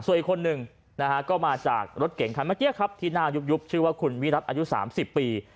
เสวยอีกคนนึงก็มาจากรถเก่งค่ะทีนา็อยู๊บชื่อว่าคุณวิรับอายุ๓๐ปี